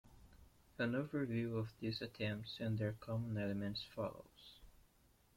An overview of these attempts and their common elements follows.